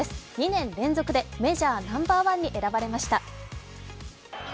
２年連続でメジャーナンバーワンに選ばれました。